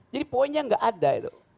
jadi poinnya enggak ada itu